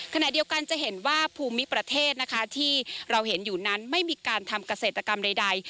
ขณะเดียวกันจะเห็นว่าภูมิประเทศนะคะที่เราเห็นอยู่นั้นไม่มีการทำเกษตรกรรมใด